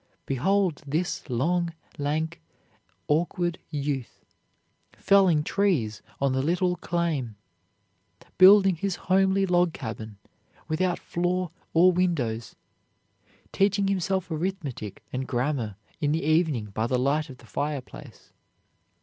Behold this long, lank, awkward youth, felling trees on the little claim, building his homely log cabin, without floor or windows, teaching himself arithmetic and grammar in the evening by the light of the fireplace.